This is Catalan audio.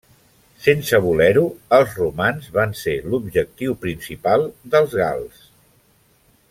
Sense voler-ho, els romans van ser l'objectiu principal dels gals.